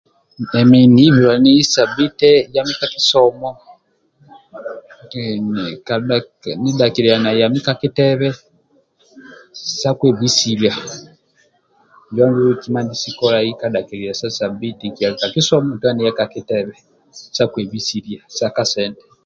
Emi nibilwani sabbite yami ka kisomo ki kadha nidhakililia na yami ka titebe sa kwebisilia injo andulu ndie nkikolaga ka dhakililia sa sabbite nkiyaga ka kisomo nidtodha niya ka kitebe sa kwebisilia sa kasente